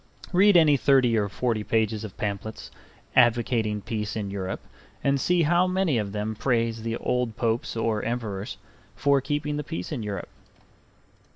Read any thirty or forty pages of pamphlets advocating peace in Europe and see how many of them praise the old Popes or Emperors for keeping the peace in Europe.